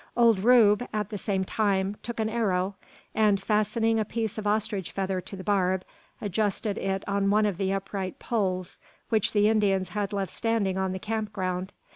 Old Rube, at the same time, took an arrow; and, fastening a piece of ostrich feather to the barb, adjusted it on one of the upright poles which the Indians had left standing on the camp ground.